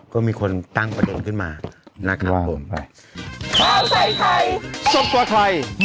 ก็มีคนตั้งประเด็นขึ้นมานะครับผมไป